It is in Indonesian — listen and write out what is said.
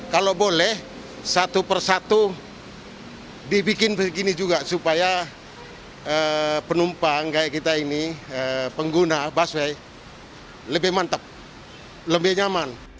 kalau boleh satu persatu dibikin begini juga supaya penumpang kayak kita ini pengguna busway lebih mantap lebih nyaman